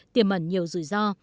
tiềm ẩn nhiều rủi ro